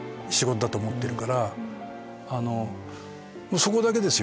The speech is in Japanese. そこだけですよ